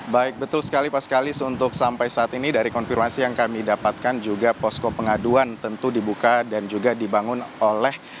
baik betul sekali pak sekali untuk sampai saat ini dari konfirmasi yang kami dapatkan juga posko pengaduan tentu dibuka dan juga dibangun oleh